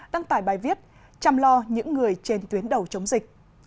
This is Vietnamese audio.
đăng tải bài viết chăm lo những người trên tuyến đầu chống dịch